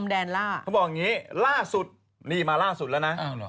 แดนล่าเขาบอกอย่างนี้ล่าสุดนี่มาล่าสุดแล้วนะ